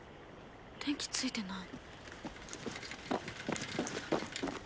電気ついてない。